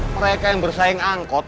mereka yang bersaing angkot